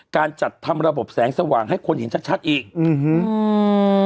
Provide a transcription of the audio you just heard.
การจัดทำระบบแสงสว่างให้คนเห็นชัดชัดอีกอืม